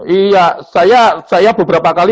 iya saya beberapa kali